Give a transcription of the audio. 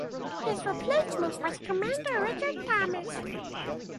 His replacement was Commander Richard Thomas.